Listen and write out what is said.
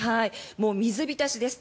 もう水浸しです。